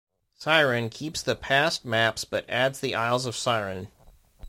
Syren keeps the past maps but adds the isles of Syren.